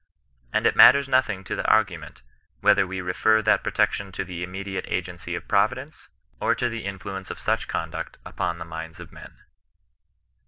And it matters nothing to the argo ment, whether wo refer that protection to die immediate agency of Providence, or to Uke influence of such conduct upon the minds of men.